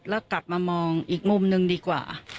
แล้วกลับมามองอีกมุมหนึ่งดีกว่า